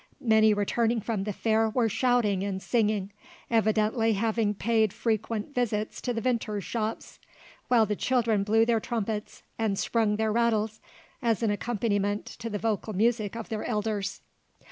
Many returning from the fair were shouting and singing, evidently having paid frequent visits to the vintners' shops, while the children blew their trumpets and sprung their rattles, as an accompaniment to the vocal music of their elders.